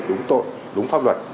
đúng tội đúng pháp luật